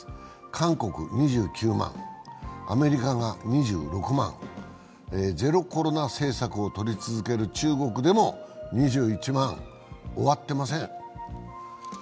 韓国２９万、アメリカが２６万、ゼロコロナ政策を取り続ける中国でも２１万、終わってません。